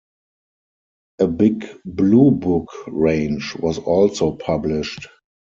A Big Blue Book range was also published.